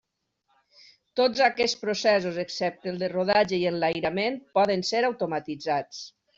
Tots aquests processos excepte el de rodatge i enlairament poden ser automatitzats.